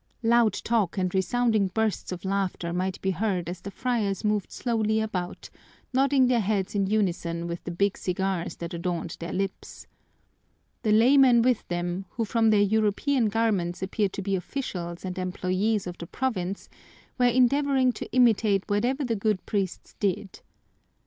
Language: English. Loud talk and resounding bursts of laughter might be heard as the friars moved slowly about, nodding their heads in unison with the big cigars that adorned their lips. The laymen with them, who from their European garments appeared to be officials and employees of the province, were endeavoring to imitate whatever the good priests did.